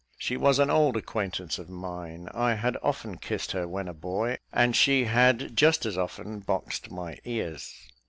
She was an old acquaintance of mine; I had often kissed her when a boy, and she had just as often boxed my ears.